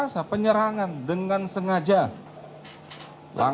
saya akan mencoba